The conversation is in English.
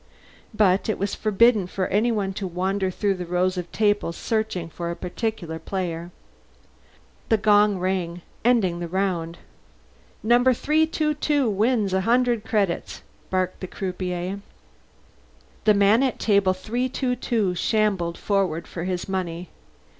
But it was forbidden for anyone to wander through the rows of tables searching for a particular player. The gong rang, ending the round. "Number 322 wins a hundred credits," barked the croupier. The man at Table 322 shambled forward for his money.